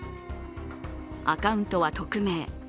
アカウントは匿名。